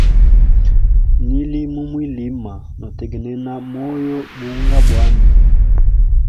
Nili mumwilima, notegnena moyo bunga bwami.